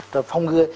rồi phòng ngừa